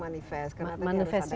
mereka masuk manifest